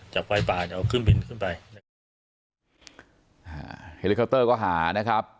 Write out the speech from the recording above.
จากไฟป่านเนี่ยเอาเครื่องบินขึ้นไป